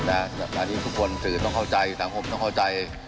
จากการที่ทุกคนสื่อต้องเข้าใจสังคมต้องเข้าใจ